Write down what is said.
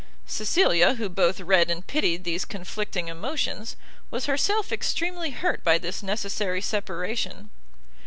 Cecilia, who both read and pitied these conflicting emotions, was herself extremely hurt by this necessary separation.